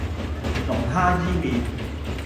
龍蝦伊麵